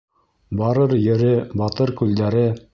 Барыр ере, батыр күлдәре;